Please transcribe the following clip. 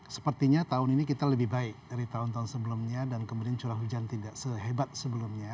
sepertinya tahun ini kita lebih baik dari tahun tahun sebelumnya dan kemudian curah hujan tidak sehebat sebelumnya